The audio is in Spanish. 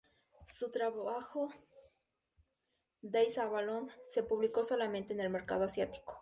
Su trabajo "Days in Avalon" se publicó solamente en el mercado asiático.